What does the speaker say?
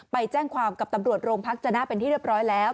ไปแจ้งความกับตำรวจโรงพักจนะเป็นที่เรียบร้อยแล้ว